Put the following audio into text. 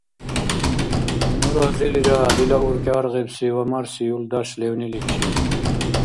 Ну разилира дила уркӀи аргъибси ва марси юлдаш левниличи.